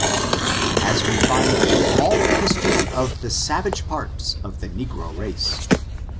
as we find in all the history of the savage parts of the negro race.